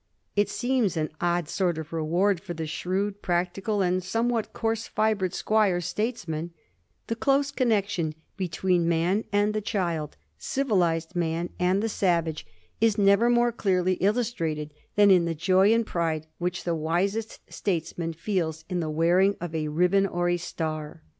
It seems an odd sort of reward for the shrewd, practical, and somewhat coarse j&bred squire statesman. The close connection between man and the child, civilised man and the savage, is never more Digiti zed by Google 1725 DICTATORSHIP OVERDONE. 331 clearly illustrated than in the joy and pride which the wisest statesman feels in the wearing of a ribbon or a star.